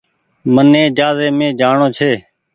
مني جهآزي مي جآڻو ڇي۔